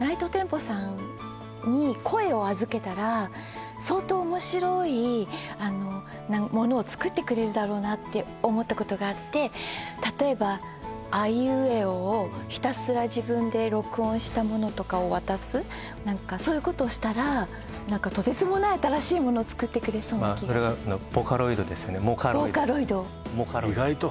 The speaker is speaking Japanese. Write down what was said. ＮｉｇｈｔＴｅｍｐｏさんに声を預けたら相当面白いものを作ってくれるだろうなって思ったことがあって例えば「あいうえお」をひたすら自分で録音したものとかを渡す何かそういうことをしたら何かとてつもない新しいものを作ってくれそうな気がしてボーカロイドですよねモーカロイドボーカロイド